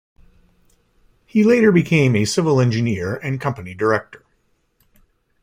He later became a civil engineer and company director.